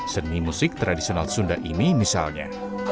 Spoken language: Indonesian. seni musik tradisional sunda ini misalnya